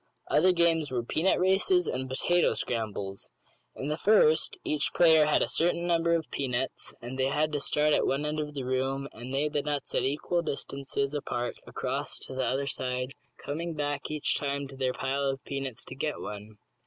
Other games were "peanut races" and "potato scrambles." In the first each player had a certain number of peanuts and they had to start at one end of the room, and lay the nuts at equal distances apart across to the other side, coming back each time to their pile of peanuts to get one.